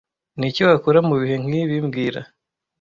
Niki wakora mubihe nkibi mbwira